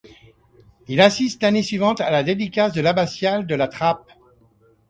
Il assiste l'année suivante à la dédicace de l'abbatiale de La Trappe.